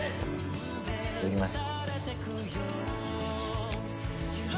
いただきます。